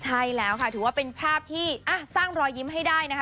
ใช่แล้วค่ะถือว่าเป็นภาพที่สร้างรอยยิ้มให้ได้นะคะ